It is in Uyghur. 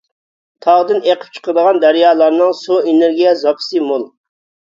تاغدىن ئېقىپ چىقىدىغان دەريالارنىڭ سۇ ئېنېرگىيە زاپىسى مول.